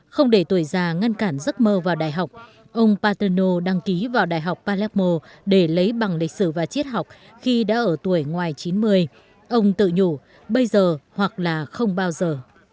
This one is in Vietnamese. không để tuổi già ngăn cản giấc mơ vào đại học ông paterno đăng ký vào đại học palermo để lấy bằng lịch sử và chiết học khi đã ở tuổi ngoài chín mươi ông tự nhủ bây giờ hoặc là không bao giờ